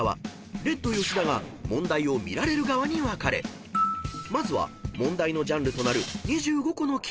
［レッド吉田が問題を見られる側に分かれまずは問題のジャンルとなる］